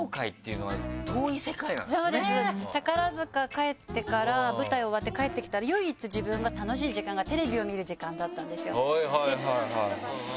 帰ってから舞台終わって帰ってきたら唯一自分が楽しい時間がテレビを見る時間だったんですよ。